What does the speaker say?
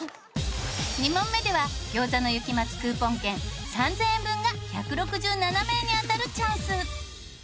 ２問目では餃子の雪松クーポン券３０００円分が１６７名に当たるチャンス。